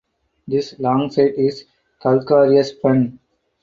This long site is calcareous fen.